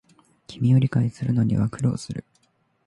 君を理解するのには苦労する